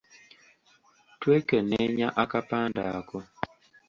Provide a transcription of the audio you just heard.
Twekenneenya akapande ako.